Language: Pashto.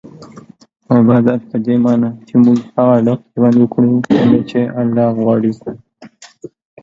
عبادت په دې مانا چي موږ هغه ډول ژوند وکړو څنګه چي الله غواړي